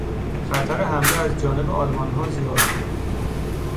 خطر حمله از جانب آلمانها زیاد بود.